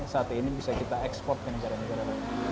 sate ini bisa kita ekspor ke negara negara